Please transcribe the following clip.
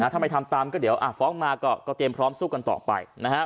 ถ้าไม่ทำตามก็เดี๋ยวฟ้องมาก็เตรียมพร้อมสู้กันต่อไปนะครับ